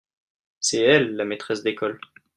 C'est elle la maîtresse d'école.